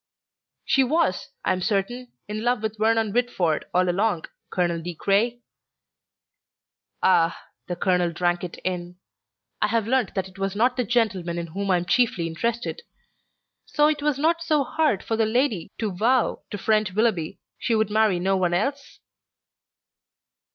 "She was, I am certain, in love with Vernon Whitford all along. Colonel De Craye!" "Ah!" the colonel drank it in. "I have learnt that it was not the gentleman in whom I am chiefly interested. So it was not so hard for the lady to vow to friend Willoughby she would marry no one else?"